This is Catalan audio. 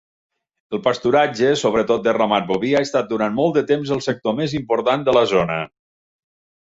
El pasturatge, sobretot de ramat boví, ha estat durant molt de temps el sector més important de la zona.